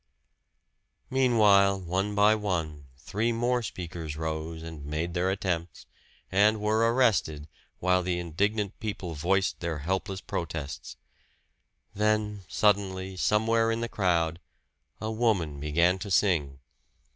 Meanwhile, one by one, three more speakers rose and made their attempts, and were arrested, while the indignant people voiced their helpless protests. Then suddenly, somewhere in the crowd, a woman began to sing.